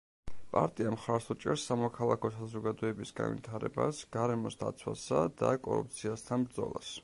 პარტია მხარს უჭერს სამოქალაქო საზოგადოების განვითარებას, გარემოს დაცვასა და კორუფციასთან ბრძოლას.